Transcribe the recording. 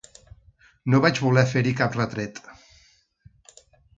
No vaig voler fer-hi cap retret.